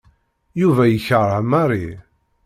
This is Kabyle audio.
Yuba yekṛeh Mary.